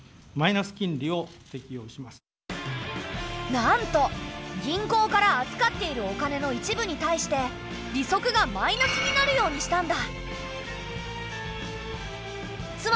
なんと銀行から預かっているお金の一部に対して利息がマイナスになるようにしたんだ。